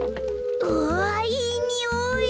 うわいいにおい。